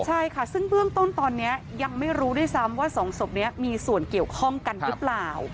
ใช่ค่ะซึ่งเบื้องต้นตอนนี้ยังไม่รู้ด้วยซ้ำว่าสองศพนี้มีส่วนเกี่ยวข้องกันหรือเปล่า